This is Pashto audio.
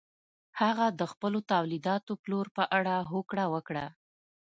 هغه د خپلو تولیداتو پلور په اړه هوکړه وکړه.